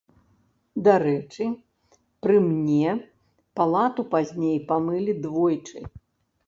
Дарэчы, пры мне палату пазней памылі двойчы.